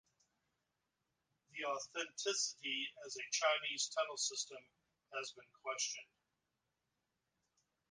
The authenticity as a Chinese tunnel system has been questioned.